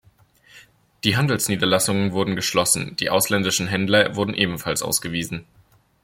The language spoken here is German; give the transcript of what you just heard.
Die Handelsniederlassungen wurden geschlossen, die ausländischen Händler wurden ebenfalls ausgewiesen.